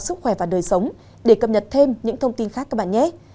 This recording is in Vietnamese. sức khỏe và đời sống để cập nhật thêm những thông tin khác các bạn nhé